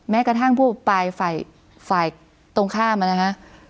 แม้กระทั่งผู้อภิปรายฝ่ายตรงข้ามนะฮะ